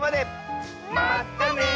まったね！